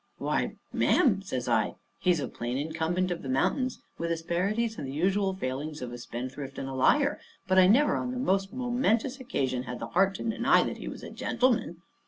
"Why ma'am," says I, "he's a plain incumbent of the mountains, with asperities and the usual failings of a spendthrift and a liar, but I never on the most momentous occasion had the heart to deny that he was a gentleman.